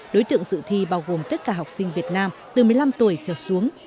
đối tượng dự thi bao gồm tất cả học sinh việt nam từ một mươi năm tuổi trở xuống